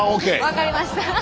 分かりました。